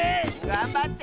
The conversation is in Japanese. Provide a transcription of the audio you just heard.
がんばって！